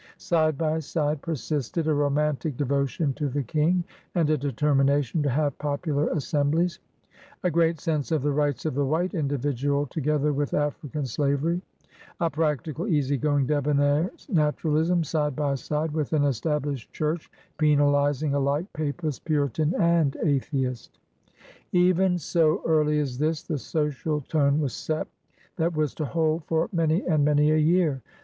Side by side persisted a romantic devotion to the King and a determination to have popular assemblies; a great sense of the rights of the white individual together with African slavery; a practical, easy going, debonair natu ralism side by side with an Established Church penalizing alike Papist, Puritan, and atheist. Even so early as this, the social tone was set that was to hold for many and many a year.